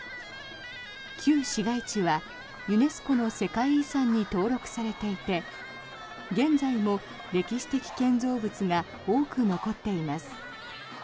旧市街地はユネスコの世界遺産に登録されていて現在も歴史的建造物が多く残っています。